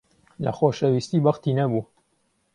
لە خۆشەویستی بەختی نەبوو.